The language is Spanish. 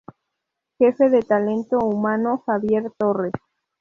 Jefe de Talento humano:Javier Torres.